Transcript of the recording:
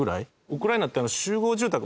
ウクライナって集合住宅